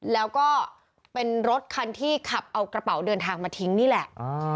แล้วก็เป็นรถคันที่ขับเอากระเป๋าเดินทางมาทิ้งนี่แหละ